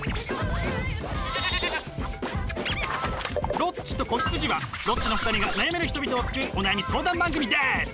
「ロッチと子羊」はロッチの２人が悩める人々を救うお悩み相談番組です！